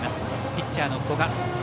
ピッチャーの古賀。